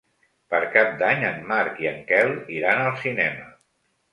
Per Cap d'Any en Marc i en Quel iran al cinema.